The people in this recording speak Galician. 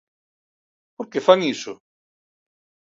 ¿Por que fan iso?